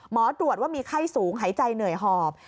หมอตรวจว่ามีไข้สูงหายใจเหนื่อยหอบ